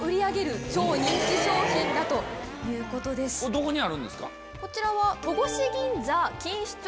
どこにあるんですか？